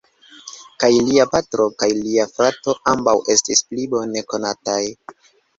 Kaj lia patro kaj lia frato ambaŭ estis pli bone konataj.